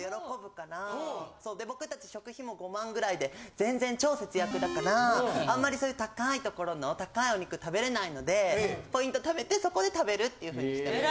全然超節約だからあんまりそういう高いところの高いお肉食べれないのでポイント貯めてそこで食べるっていう風にしてます。